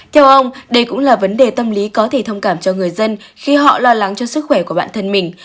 theo ông đây cũng là vấn đề tâm lý có thể thông cảm cho người dân khi họ lo lắng cho sức khỏe của bản thân mình